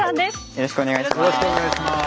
よろしくお願いします。